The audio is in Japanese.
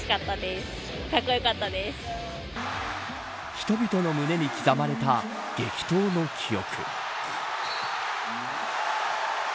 人々の胸に刻まれた激闘の記憶。